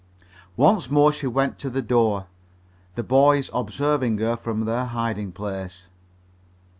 Once more she went to the door, the boys observing her from their hiding place.